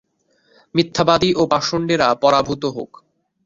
মিথ্যাবাদী ও পাষণ্ডেরা পরাভূত হোক।